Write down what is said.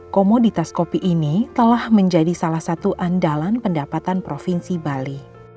komoditas kopi ini telah menjadi salah satu andalan pendapatan provinsi bali